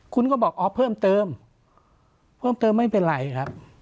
คุณก็บอกอ๋อเพิ่มเติมเพิ่มเติมไม่เป็นไรครับ